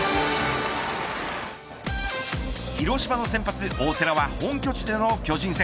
広島の先発、大瀬良は本拠地での巨人戦。